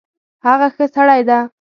هغه ښه سړی ده